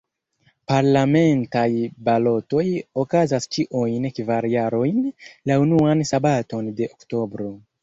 Parlamentaj balotoj okazas ĉiujn kvar jarojn, la unuan sabaton de oktobro.